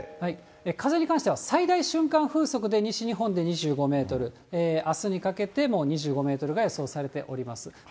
風に関しては最大瞬間風速で西日本で２５メートル、あすにかけても２５メートルが予想されております。